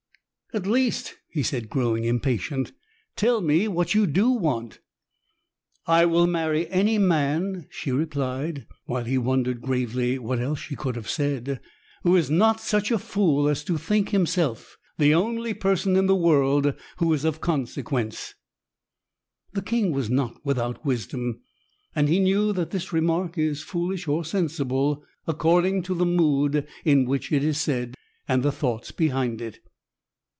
"At least," he said, growing impatient, "tell me what you do want." "I will marry any man," she replied, while he wondered gravely what else she could have said, "who is not such a fool as to think himself the only person in the world who is of consequence." The king was not without wisdom, and he knew that this remark is foolish, or sensible, according to the mood in which it is said, and the thoughts behind it.